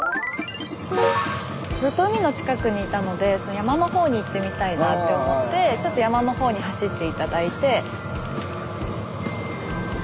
ずっと海の近くにいたので山の方に行ってみたいなあって思ってちょっと山の方に走って頂いて。